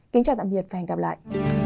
kính chào tạm biệt và hẹn gặp lại